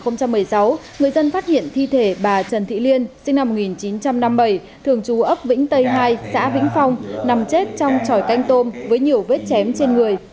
trước đó vào khoảng một mươi h ngày một tháng một mươi một năm hai nghìn một mươi sáu người dân phát hiện thi thể bà trần thị liên sinh năm một nghìn chín trăm năm mươi bảy thường trú ấp vĩnh tây hai xã vĩnh phong nằm chết trong tròi canh tôm với nhiều vết chém trên người